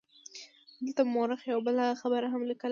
دغه مورخ یوه بله خبره هم لیکلې ده.